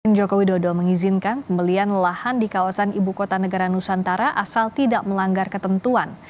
presiden jokowi dodo mengizinkan pembelian lahan di kawasan ibu kota negara nusantara asal tidak melanggar ketentuan